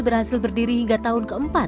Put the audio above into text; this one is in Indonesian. berhasil berdiri hingga tahun ke empat